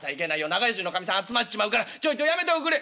長屋中のかみさん集まっちまうからちょいとやめておくれ」。